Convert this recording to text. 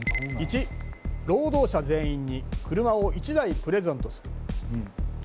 ①労働者全員に車を１台プレゼントする。